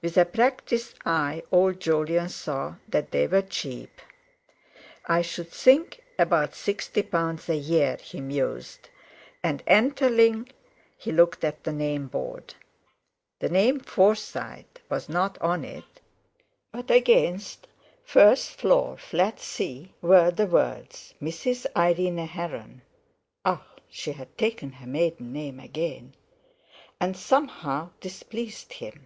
With a practised eye old Jolyon saw that they were cheap. "I should think about sixty pound a year," he mused; and entering, he looked at the name board. The name "Forsyte" was not on it, but against "First Floor, Flat C" were the words: "Mrs. Irene Heron." Ah! She had taken her maiden name again! And somehow this pleased him.